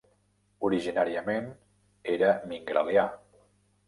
Originàriament era Mingrelià.